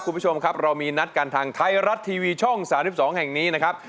คุณผู้ชมครับเรามีนัดกันทางไทยรัฐทีวีช่อง๓๒แห่งนี้นะครับ